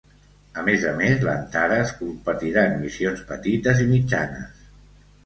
A més a més, l'Antares competirà en missions petites i mitjanes.